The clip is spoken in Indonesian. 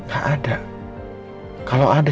gak ada kalau ada